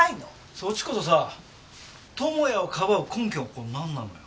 そっちこそさ友也をかばう根拠はこれなんなのよ？